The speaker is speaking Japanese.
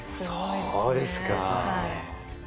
そうですか。